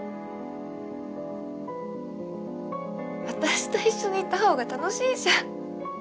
私と一緒にいた方が楽しいじゃん。